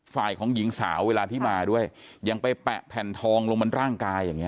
ฝ่ายของหญิงสาวเวลาที่มาด้วยยังไปแปะแผ่นทองลงบนร่างกายอย่างเง